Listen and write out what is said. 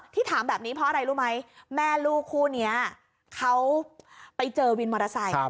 ถามแบบนี้เพราะอะไรรู้ไหมแม่ลูกคู่นี้เขาไปเจอวินมอเตอร์ไซค์